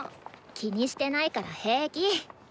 気にしてないから平気。